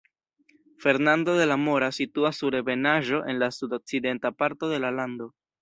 Fernando de la Mora situas sur ebenaĵo en la sudokcidenta parto de la lando.